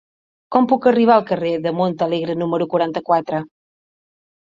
Com puc arribar al carrer de Montalegre número quaranta-quatre?